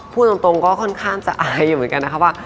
พูดตรงก็ค่อนข้างจะอายอยู่เหมือนกันนะครับว่า